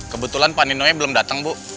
kebetulan pak nino nya belum datang bu